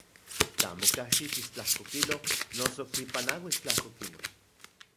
Tla amo kajxitis tlajko kilo noso kipanauis tlajko kilo.